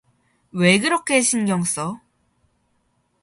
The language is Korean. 왜 그렇게 신경써?